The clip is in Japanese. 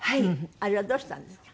あれはどうしたんですか？